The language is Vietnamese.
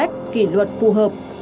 có những bài luật phù hợp